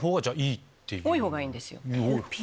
多い方がいいんですよ。